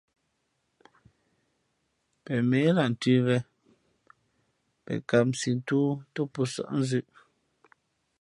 Pen měh lah ntʉ̌mvēn, pen kāmsī ntóó tά pō nsάʼ nzʉ̄ʼ.